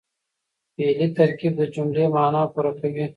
فعلي ترکیب د جملې مانا پوره کوي.